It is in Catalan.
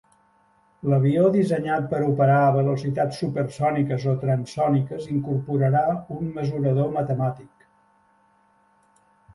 L"avió dissenyat per operar a velocitats supersòniques o transòniques incorporarà un mesurador matemàtic.